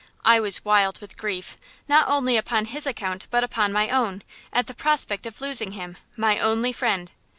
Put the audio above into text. I was wild with grief, not only upon his account but upon my own, at the prospect of losing him, my only friend.